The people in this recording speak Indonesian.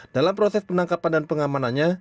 dalam proses penangkapan dan pengamanannya